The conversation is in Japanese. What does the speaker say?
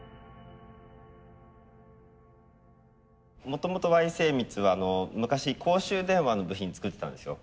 もともとＹ精密は昔公衆電話の部品作ってたんですよ。